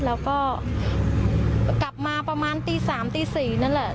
แล้วก็กลับมาประมาณตี๓ตี๔นั่นแหละ